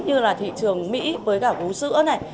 như là thị trường mỹ với cả uống sữa này